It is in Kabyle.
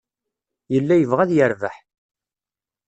Yella yebɣa ad yerbeḥ.